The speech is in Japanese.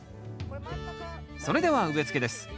それでは植え付けです。